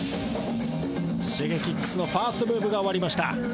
Ｓｈｉｇｅｋｉｘのファーストムーブが終わりました。